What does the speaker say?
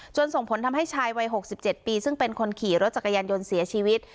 ส่งผลทำให้ชายวัย๖๗ปีซึ่งเป็นคนขี่รถจักรยานยนต์เสียชีวิต